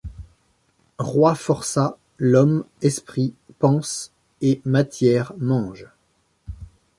Roi forçat, l’homme, esprit, pense, et, matière, mange.